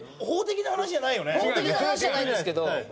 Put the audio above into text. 法的な話じゃないですけど。